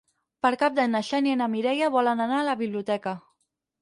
Per Cap d'Any na Xènia i na Mireia volen anar a la biblioteca.